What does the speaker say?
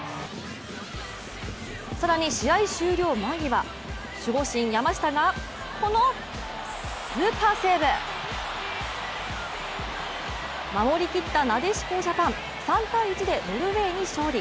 更に試合終了間際、守護神・山下がこのスーパーセーブ守りきったなでしこジャパン、３−１でノルウェーに勝利。